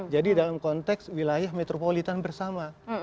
jadi dalam konteks wilayah metropolitan bersama